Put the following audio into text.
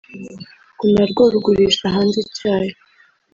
ngo narwo rugurisha hanze icyayi